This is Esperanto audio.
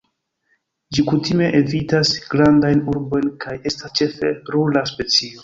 Ĝi kutime evitas grandajn urbojn kaj estas ĉefe rura specio.